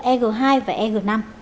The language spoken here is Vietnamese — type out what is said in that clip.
eg hai và eg năm